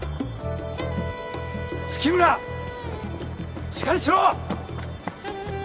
月村しっかりしろ！